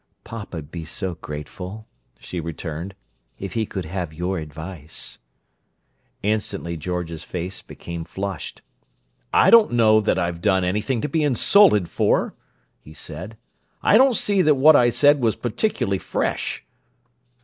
"Papa'd be so grateful," she returned, "if he could have your advice." Instantly George's face became flushed. "I don't know that I've done anything to be insulted for!" he said. "I don't see that what I said was particularly fresh."